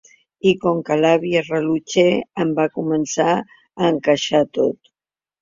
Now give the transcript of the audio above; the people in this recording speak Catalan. I com que l’avi és rellotger… Em va començar a encaixar tot.